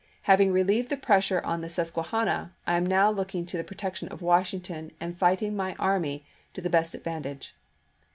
ing relieved the pressure on the Susquehanna, I am now looking to the protection of Washington and fighting my army to the best advantage."